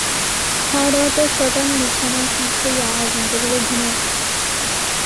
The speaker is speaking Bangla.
খাওয়াদাওয়ার পর সটান বিছানায় চিত হইয়া আয়োজন করিল ঘুমের।